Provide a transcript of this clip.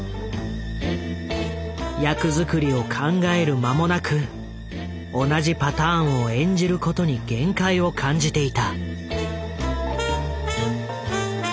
役づくりを考える間もなく同じパターンを演じることに限界を感じていた。